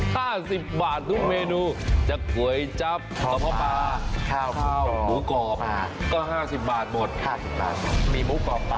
คุณภรรยาศัพท์ครับผมถูกขอต้อนรับ